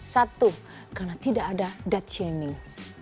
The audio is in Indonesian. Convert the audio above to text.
satu karena tidak ada dead shaming